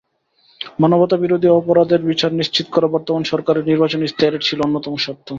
মানবতাবিরোধী অপরাধের বিচার নিশ্চিত করা বর্তমান সরকারের নির্বাচনী ইশতেহারের ছিল অন্যতম শর্ত।